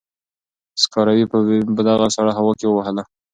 سکاروی به مې په دغه سړه هوا کې ووهي.